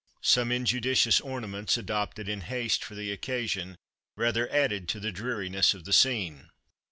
Some injudicious ornaments, adopted in haste for the occasion, rather added to the dreariness of the scene.